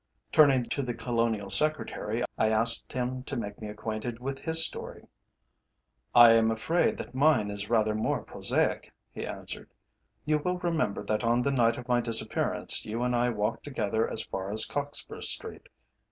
Turning to the Colonial Secretary, I asked him to make me acquainted with his story. "I am afraid that mine is rather more prosaic," he answered. "You will remember that on the night of my disappearance you and I walked together as far as Cockspur Street.